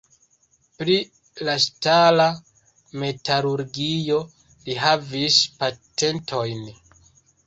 Pri la ŝtala metalurgio li havis patentojn.